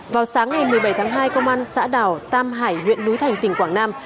vào sáng ngày một mươi bảy tháng hai công an xã đảo tam hải huyện núi thành tỉnh quảng nam